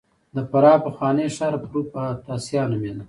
د فراه پخوانی ښار پروفتاسیا نومېده